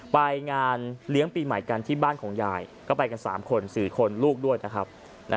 ไปงานเลี้ยงปีใหม่กันที่บ้านของยายก็ไปกัน๓คน๔คนลูกด้วยนะครับ